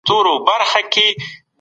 احمد پرون ماته کیسه وکړه.